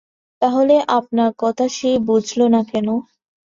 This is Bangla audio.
তাহলে আপনার কথা সে বুঝল না কেন?